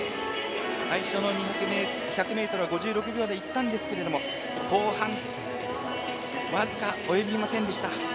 最初の１００ｍは５６秒でいったんですけれど後半、僅かおよびませんでした。